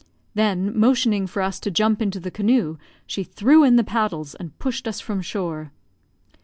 Then motioning for us to jump into the canoe, she threw in the paddles, and pushed us from shore.